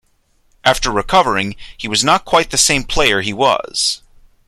After recovering, he was not quite the same player he was.